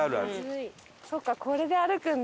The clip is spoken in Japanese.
そっかこれで歩くんだ。